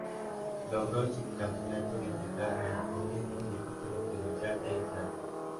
Logró el subcampeonato distrital de Mollendo y el título provincial de Islay.